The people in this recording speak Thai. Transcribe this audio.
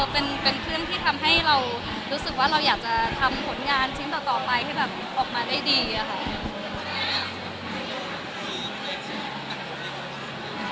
เป็นคลื่นที่ทำให้เรารู้สึกว่าเราอยากจะทำผลงานชิ้นต่อไปให้แบบออกมาได้ดีอะค่ะ